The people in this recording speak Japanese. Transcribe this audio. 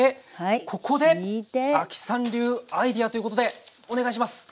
ここで亜希さん流アイデアということでお願いします！